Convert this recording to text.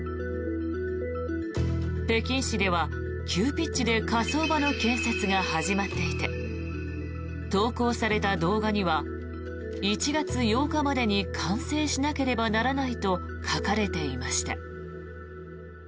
北京市では急ピッチで火葬場の建設が始まっていて投稿された動画には１月８日までに完成しなければならないと書かれていました。